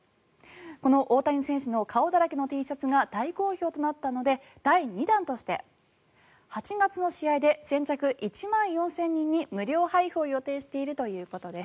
この大谷選手の顔だらけのＴシャツが大好評となったので第２弾として８月の試合で先着１万４０００人に無料配布を予定しているということです。